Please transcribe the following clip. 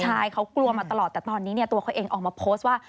ใช่เขากลัวมาตลอดแต่ตอนนี้ตัวเขาเองออกมาโพสต์ว่า